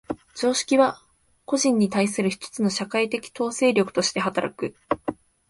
常識は個人に対する一つの社会的統制力として働く。